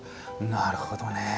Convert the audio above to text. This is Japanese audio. なるほどね。